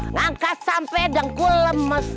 ngangkas sampe dengku lemes